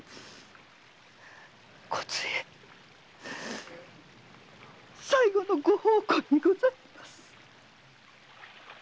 こずえ最後のご奉公にございます！